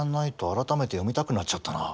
改めて読みたくなっちゃったな。